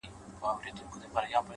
هوښیار انسان د اورېدو ارزښت پېژني.!